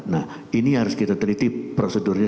nah ini yang harus kita teliti prosedurnya